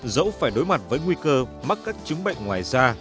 dẫu phải đối mặt với nguy cơ mắc các chứng bệnh ngoài da